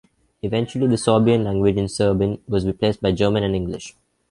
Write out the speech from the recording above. Eventually, the Sorbian language in Serbin was replaced by German and English.